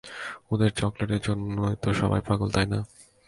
ওদের চকলেটের জন্য তো সবাই পাগল, তাই না?